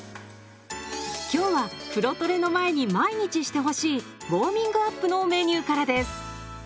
今日は風呂トレの前に毎日してほしい「ウォーミングアップ」のメニューからです。